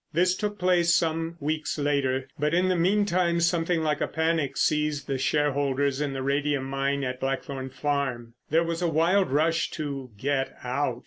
This took place some weeks later, but in the meantime something like a panic seized the shareholders in the radium mine at Blackthorn Farm. There was a wild rush to "get out."